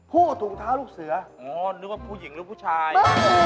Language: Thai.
ถุงเท้าลูกเสืออ๋อนึกว่าผู้หญิงหรือผู้ชาย